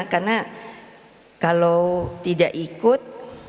karena kalau tidak ikut